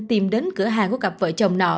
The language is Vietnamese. tìm đến cửa hàng của cặp vợ chồng nọ